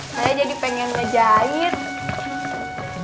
saya jadi pengen ngejahit